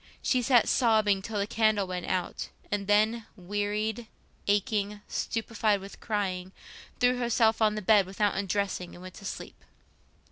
She sat sobbing till the candle went out, and then, wearied, aching, stupefied with crying, threw herself on the bed without undressing and went to sleep.